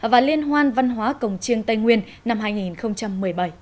và liên hoan văn hóa cổng chiêng tây nguyên năm hai nghìn một mươi bảy